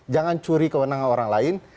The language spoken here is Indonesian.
jangan curi kewenangan orang lain